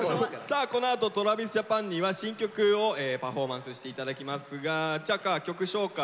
さあこのあとＴｒａｖｉｓＪａｐａｎには新曲をパフォーマンスして頂きますがちゃか曲紹介。